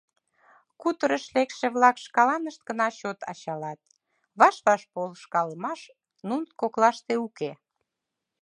Куторыш лекше-влак шкаланышт гына чот ачалат, ваш-ваш полышкалымаш нунын коклаште уке.